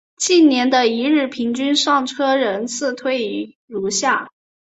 近年的一日平均上车人次推移如下表。